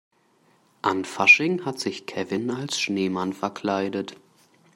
An Fasching hat sich Kevin als Schneemann verkleidet.